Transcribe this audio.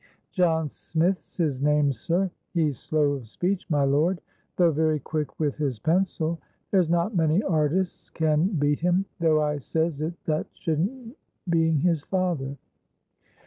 "John Smith's his name, sir. He's slow of speech, my lord, though very quick with his pencil. There's not many artists can beat him, though I says it that shouldn't, being his father."